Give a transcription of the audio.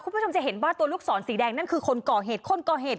คุณผู้ชมจะเห็นว่าตัวลูกศรสีแดงนั่นคือคนก่อเหตุคนก่อเหตุ